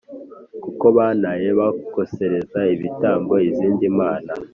kuko bantaye bakosereza ibitambo izindi mana